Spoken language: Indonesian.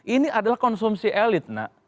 ini adalah konsumsi elit nak